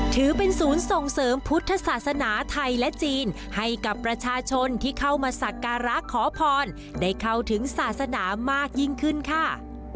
ถือเป็นศูนย์ส่งเสริมพุทธศาสนาไทยและจีนให้กับประชาชนที่เข้ามาสักการะขอพรได้เข้าถึงศาสนามากยิ่งขึ้นค่ะ